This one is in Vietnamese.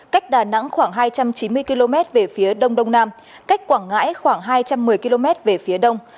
cách đà nẵng khoảng hai trăm chín mươi km về phía đông đông nam cách quảng ngãi khoảng hai trăm một mươi km về phía đông